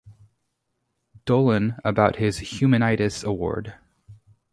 Dolan about his "Human-itis" award.